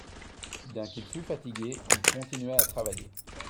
Bien qu'il fût fatigué, il continuait à travailler.